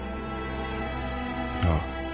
ああ。